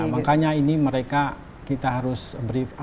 makanya ini mereka kita harus beritahu mereka